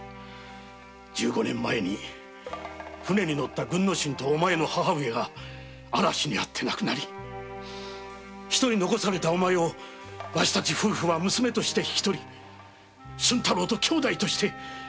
十五年前船に乗った軍之進とお前の母上が嵐に遭って亡くなり一人残されたお前をわしたち夫婦は娘として引き取り俊太郎と兄妹として今日まで育ててきた。